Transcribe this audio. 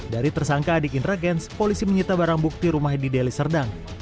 dari tersangka adik indra kents polisi menyita barang bukti rumah di deli serdang